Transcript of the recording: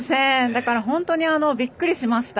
だから、びっくりしました。